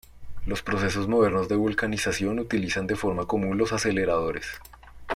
Los procesos modernos de vulcanización utilizan de forma común los aceleradores.